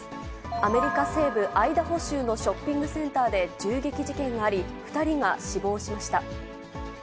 アメリカ西部アイダホ州のショッピングセンターで銃撃事件があり、２人が死亡しました。